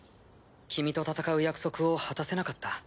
君と戦う約束を果たせなかった。